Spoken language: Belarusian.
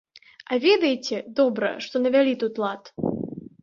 А ведаеце, добра, што навялі тут лад.